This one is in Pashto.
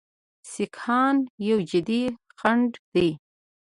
سیکهان یو جدي خنډ دی.